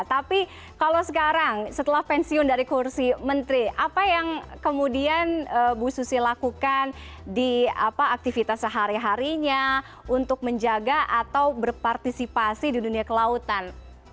tapi kalau sekarang setelah pensiun dari kursi menteri apa yang kemudian bu susi lakukan di aktivitas sehari harinya untuk menjaga atau berpartisipasi di dunia kelautan